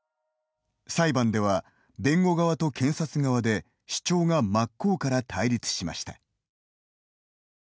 裁判では、弁護側と検察側で主張が真っ向から対立しました。